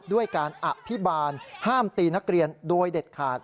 ด้วยการอภิบาลห้ามตีนักเรียนโดยเด็ดขาด